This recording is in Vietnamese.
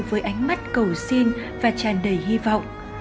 với ánh mắt cầu xin và tràn đầy hy vọng